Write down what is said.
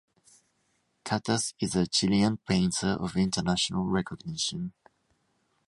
Catasse is a Chilean painter of international recognition.